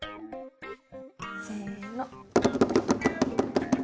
せの。